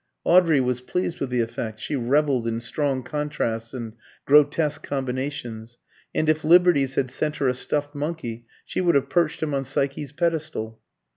Audrey was pleased with the effect; she revelled in strong contrasts and grotesque combinations, and if Liberty's had sent her a stuffed monkey, she would have perched him on Psyche's pedestal.